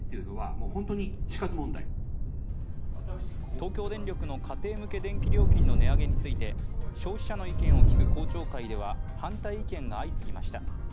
東京電力の家庭向け電気料金の値上げについて消費者の意見を聞く公聴会では反対意見が相次ぎました。